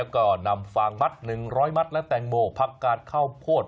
ก็นำฟางมัด๑๐๐มัดและแตงโมผักกาดข้าวโพด